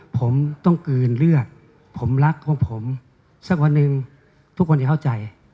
ผมต้องกลืนเลือดผมรักของผมสักวันหนึ่งทุกคนจะเข้าใจ